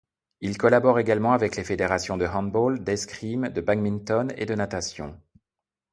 Il collabore également avec les fédérations de handball, d'escrime, de badminton, et de natation.